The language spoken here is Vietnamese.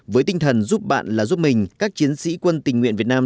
với tinh thần giúp bạn là giúp mình các chiến sĩ quân tình nguyện việt nam